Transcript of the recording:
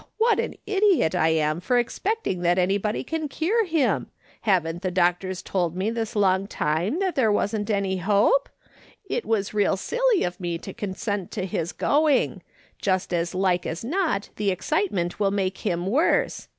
what an idiot I am for expecting that anybody can cure him ! Haven't the doctors told me this long time that there wasn't any hope ? It was real silly "/ SUPPOSE HE A'xVOlP'S WHAT HE MEANTr 135 of me to consent to bis going; just as like as not the excitement will make him worse.